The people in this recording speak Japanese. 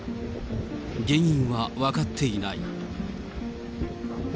原因は分かっていない。